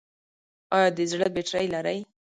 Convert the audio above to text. ایا د زړه بطرۍ لرئ؟